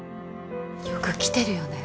よく来てるよね